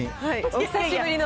久しぶりの。